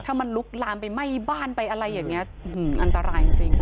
ถ้ามันลุกลามไปไหม้บ้านไปอะไรอย่างนี้อันตรายจริง